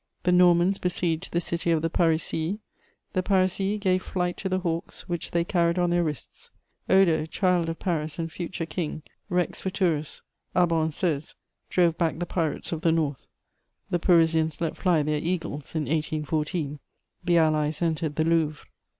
The Normans besieged the city of the Parisii; the Parisii gave flight to the hawks which they carried on their wrists; Odo, child of Paris and future King, "rex futurus," Abbon says, drove back the pirates of the North: the Parisians let fly their eagles in 1814; the Allies entered the Louvre.